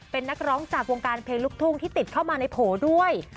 เป็นนักร้องจากวงการเพลงลูกทุ่งที่ติดเข้ามาในโผล่ด้วย